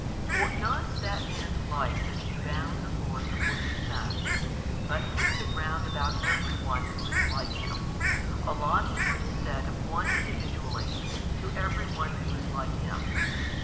For not at that man's life does He bound the force of what He says, but puts it round about every one who is like him, allotting what is said of one individually to every one who is like him.